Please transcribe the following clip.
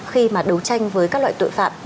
khi mà đấu tranh với các loại tội phạm